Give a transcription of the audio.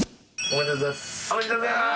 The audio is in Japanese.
おめでとうございます。